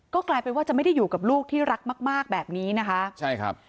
ก็กลายเป็นว่าจะไม่ได้อยู่กับลูกที่รักมากมากแบบนี้นะคะใช่ครับ